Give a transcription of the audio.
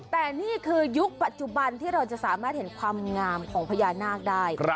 แต่นี่คือยุคปัจจุบันที่เราจะสามารถเห็นความงามของพญานาคได้